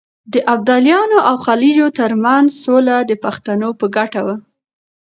د ابدالیانو او غلجیو ترمنځ سوله د پښتنو په ګټه وه.